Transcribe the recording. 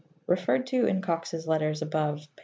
Referred to in Cox's letters above, pp.